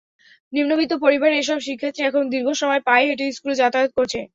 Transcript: নিম্নবিত্ত পরিবারের এসব শিক্ষার্থী এখন দীর্ঘ সময় পায়ে হেঁটে স্কুলে যাতায়াত করছে।